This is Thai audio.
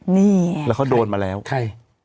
นี่แล้วเขาโดนมาแล้วเอาไป